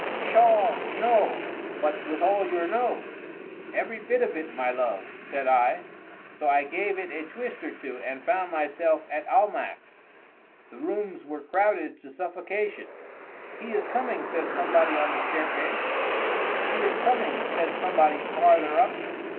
"Pshaw, no!—but with all your nose?" "Every bit of it, my love," said I:—so I gave it a twist or two, and found myself at Almack's. The rooms were crowded to suffocation. "He is coming!" said somebody on the staircase. "He is coming!" said somebody farther up.